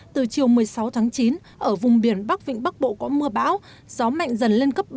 từ chiều một mươi sáu chín ở vùng biển bắc vĩnh bắc bộ có mưa bão gió mạnh dần lên cấp bảy tám